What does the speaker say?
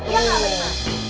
iya gak bener